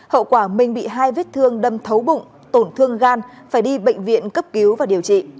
hậu quả minh bị hai vết thương đâm thấu bụng tổn thương gan phải đi bệnh viện cấp cứu và điều trị